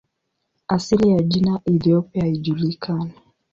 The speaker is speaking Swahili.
Asili ya jina "Ethiopia" haijulikani.